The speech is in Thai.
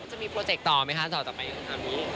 จะมีโปรเจคต่อไหมคะต่อจากนั้นครับ